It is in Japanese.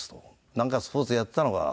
「なんかスポーツやってたのか？」